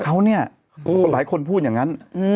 เขาเนี่ยหลายคนพูดอย่างนั้น